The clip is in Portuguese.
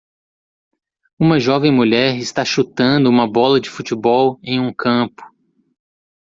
Uma jovem mulher está chutando uma bola de futebol em um campo.